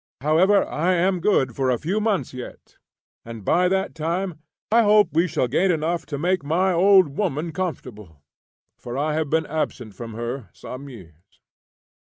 However, I am good for a few months yet, and by that time I hope we shall gain enough to make my old woman comfortable, for I have been absent from her some years."